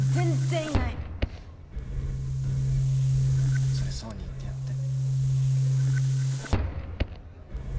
うんそれ想に言ってやって。